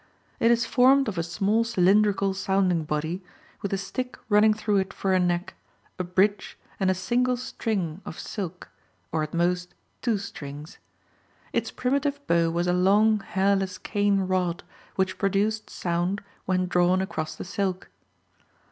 It is formed of a small cylindrical sounding body, with a stick running through it for a neck, a bridge, and a single string of silk, or at most two strings. Its primitive bow was a long hairless cane rod which produced sound when drawn across the silk.